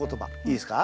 いいですか。